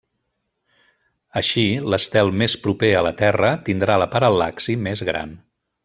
Així, l'estel més proper a la Terra tindrà la paral·laxi més gran.